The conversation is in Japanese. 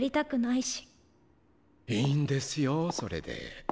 いいんですよそれで。